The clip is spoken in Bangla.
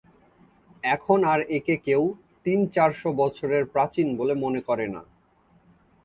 এখন আর একে কেউ তিন-চারশ বছরের প্রাচীন বলে মনে করে না।